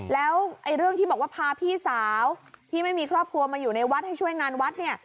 แล้วเรื่องที่บอกว่าพาพี่สาวที่ไม่มีครอบครัวมาอยู่ในวัดให้ช่วยงานวัดเนี่ย